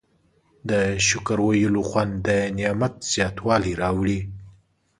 د شکر ویلو خوند د نعمت زیاتوالی راوړي.